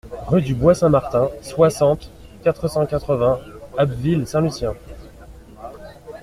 Rue du Bois Saint-Martin, soixante, quatre cent quatre-vingts Abbeville-Saint-Lucien